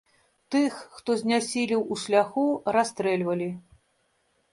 Тых, хто знясілеў у шляху, расстрэльвалі.